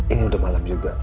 ini udah malem juga